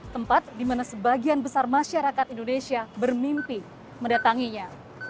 tempat di mana sebagian besar masyarakat indonesia bermimpi mendatanginya